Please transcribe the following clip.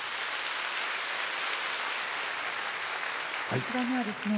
こちらにはですね